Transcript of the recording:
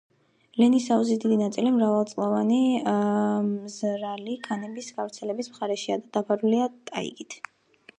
ლენის აუზის დიდი ნაწილი მრავალწლოვანი მზრალი ქანების გავრცელების მხარეშია და დაფარულია ტაიგით.